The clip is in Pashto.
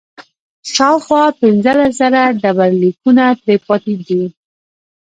شاوخوا پنځلس زره ډبرلیکونه ترې پاتې دي.